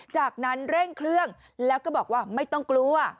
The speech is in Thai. จากนั้นเร่งเครื่องแล้วก็บอกว่าไม่ต้องกลัว